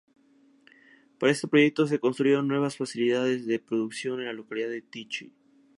Para este proyecto se construyeron nuevas facilidades de producción en la localidad de Tychy.